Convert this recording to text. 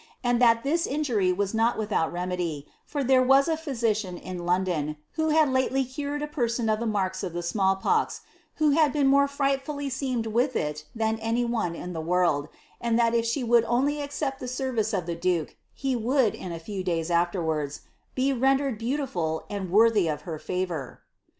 and that ihia injury whs iiui wiihoul remedy, fur there was a phyiician in London, who hoij laifly cured « person nf ihe marks nf ihe saiall pox, who had been more frightfully seamed triA it ilian any one in the world, and that if she would only accept the aer vice ol' the duke, he would, in a few days afterwards, be render^ b««ii liful, and worthy of her fsTour."